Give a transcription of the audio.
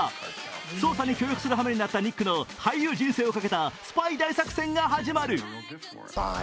捜査に協力するはめになったニックの俳優人生を懸けたスパイ大作戦が始まる。